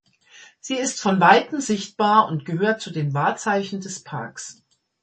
Sie ist von weitem sichtbar und gehört zu den Wahrzeichen des Parks.